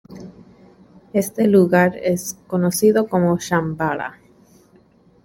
Este lugar es conocido como Shambhala.